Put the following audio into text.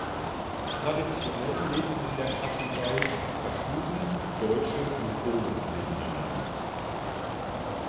Traditionell lebten in der Kaschubei Kaschuben, Deutsche und Polen nebeneinander.